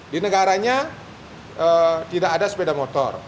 di negaranya tidak ada sepeda motor